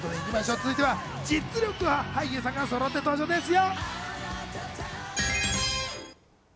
続いては実力派俳優がそろって登場ですよ。